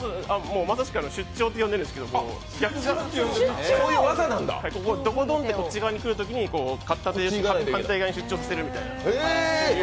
まさしく、出張って呼んでるんですけどもドコドンってこっち側に来るときに反対側に出張させるみたいな。